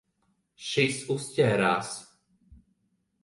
Šis uzķērās.